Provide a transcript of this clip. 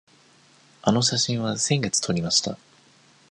あの写真は先月撮りました。